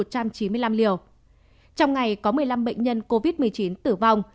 trong ngày có một mươi năm bệnh nhân covid một mươi chín tử vong